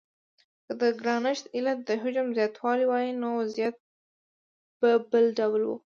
که د ګرانښت علت د حجم زیاتوالی وای نو وضعیت به بل ډول و.